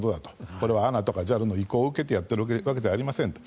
これはＡＮＡとかＪＡＬの意向を受けてやっているわけじゃありませんと。